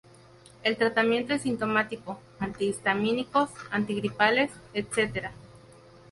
El tratamiento es sintomático: antihistamínicos, antigripales...etc.